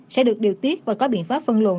sẽ được điều tiết và có biện pháp phân luận